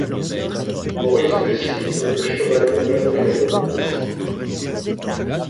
Maurice Bessy était Chevalier de la Légion d'honneur.